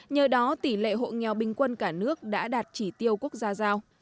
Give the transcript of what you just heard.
nhờ đó tỷ lệ hộ nghèo bình quân cả nước đã đạt chỉ tiêu quốc gia giao